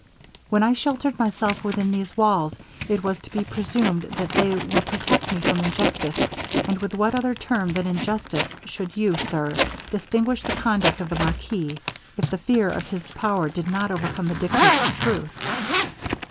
When I sheltered myself within these walls, it was to be presumed that they would protect me from injustice; and with what other term than injustice would you, Sir, distinguish the conduct of the marquis, if the fear of his power did not overcome the dictates of truth?'